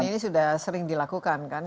dan ini sudah sering dilakukan kan